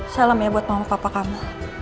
salam ya buat mama papa kami